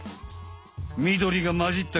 みどりがまじった